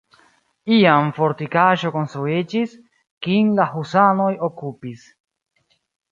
Iam fortikaĵo konstruiĝis, kin la husanoj okupis.